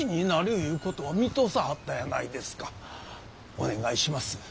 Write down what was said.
お願いします！